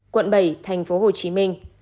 quận bảy thành phố hồ chí minh